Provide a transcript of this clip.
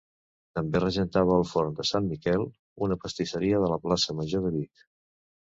També regentava el forn de Sant Miquel, una pastisseria de la Plaça Major de Vic.